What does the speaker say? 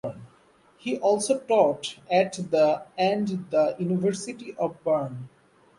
He also taught at the and the University of Bern.